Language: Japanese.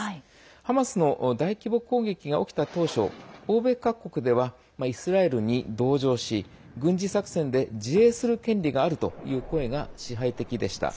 ハマスの大規模攻撃が起きた当初欧米各国ではイスラエルに同情し軍事作戦で自衛する権利があるという声が支配的でした。